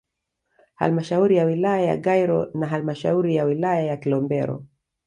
Halmashauri ya wilaya ya Gairo na halmashauri ya wilaya ya Kilombero